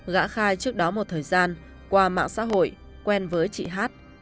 gã khai trước đó một thời gian qua mạng xã hội quen với chị hát